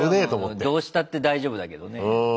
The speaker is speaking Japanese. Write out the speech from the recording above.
それはもうどうしたって大丈夫だけどね。